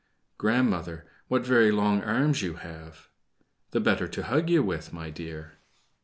"Grandmother, what very long arms you have!" "The better to hug you with, my dear."